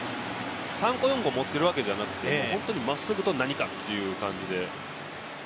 ３個、４個持っているわけじゃなくて本当に、まっすぐと、何かっていう感じで。